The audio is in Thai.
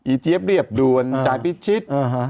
เจี๊ยบเรียบด่วนจ่ายพิชิต